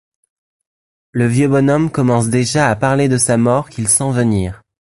Le vieux bonhomme commence déjà à parler de sa mort qu'il sent venir.